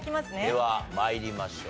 では参りましょう。